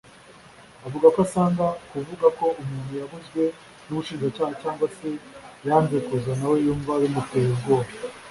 avuga ko asanga kuvuga ko umuntu yabuzwe n’Ubushinjacyaha cyangwa se yanze kuza nawe yumva bimuteye ubwoba